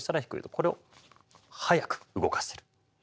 これを速く動かせるですね。